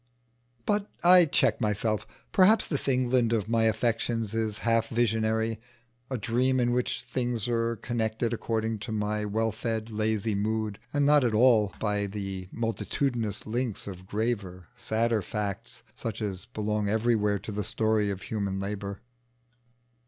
But I check myself. Perhaps this England of my affections is half visionary a dream in which things are connected according to my well fed, lazy mood, and not at all by the multitudinous links of graver, sadder fact, such as belong everywhere to the story of human labour.